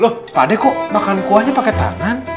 loh pade kok makan kuahnya pakai tangan